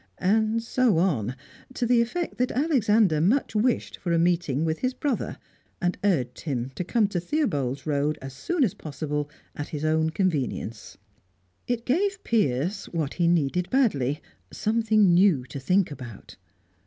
And so on, to the effect that Alexander much wished for a meeting with his brother, and urged him to come to Theobald's Road as soon as possible, at his own convenience. It gave Piers what he needed badly something new to think about.